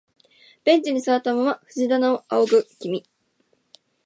ベンチに座ったまま藤棚を仰ぐ君、